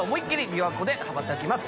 琵琶湖で羽ばたきます